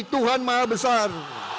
tuhan maha besar